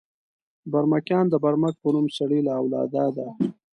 برمکیان د برمک په نوم سړي له اولاده دي.